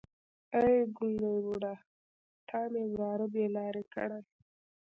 ای ګونګی بوډا تا مې وراره بې لارې کړی.